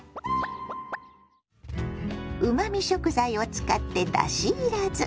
うまみ食材を使ってだしいらず。